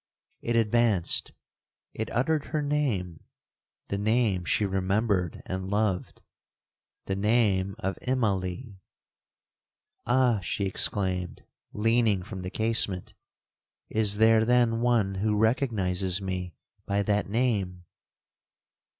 It advanced—it uttered her name—the name she remembered and loved—the name of Immalee! 'Ah!' she exclaimed, leaning from the casement, 'is there then one who recognizes me by that name?'